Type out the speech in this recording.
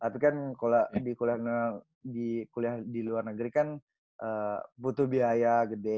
tapi kan kalau di kuliah di luar negeri kan butuh biaya gede